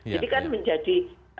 jadi kan menjadi